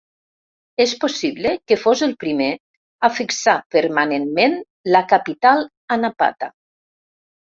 És possible que fos el primer a fixar permanentment la capital a Napata.